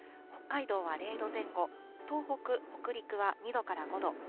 北海道は０度前後、東北、北陸は２度から５度。